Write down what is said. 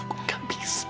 aku gak bisa